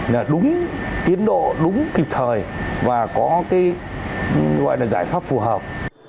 là đúng tiến độ đúng kịp thời và có cái gọi là giải pháp phù hợp